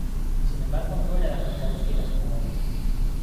Sin embargo, no era la primera vez que era señalado.